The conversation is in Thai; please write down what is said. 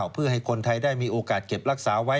เพื่อให้คนไทยได้มีโอกาสเก็บรักษาไว้